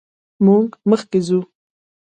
موږ مخکې ځو.